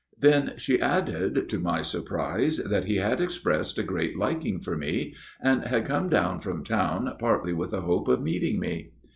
Then she added to my surprise that he had expressed a great liking for me, and had come down from town partly with the hope of meeting me.